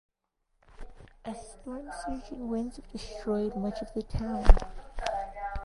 A storm surge and winds of destroyed much of the town.